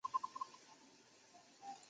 其父张其锽。